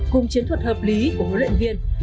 cùng chiến thuật hợp lý của huấn luyện viên